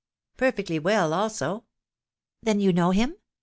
"Perfectly well, also." "Then you know him?